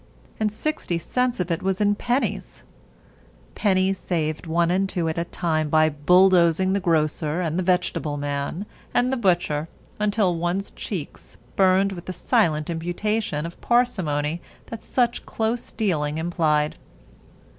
And sixty cents of it was in pennies. Pennies saved one and two at a time by bulldozing the grocer and the vegetable man and the butcher until one's cheeks burned with the silent imputation of parsimony that such close dealing implied.